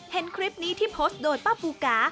เห็นคลิปนี้ที่โพสต์โดยป้าปูกา